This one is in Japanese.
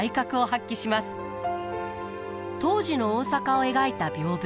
当時の大阪を描いた屏風。